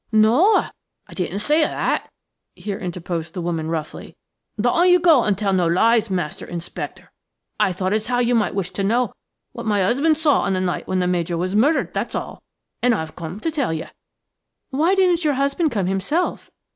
"Noa! I didn't say that!" here interposed the woman, roughly, "doan't you go and tell no lies, Master Inspector. I thought as how you might wish to know what my husband saw on the night when the Major was murdered, that's all; and I've come to tell you." "Why didn't your husband come himself?"